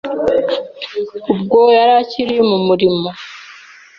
ubwo yari akiri mu murimo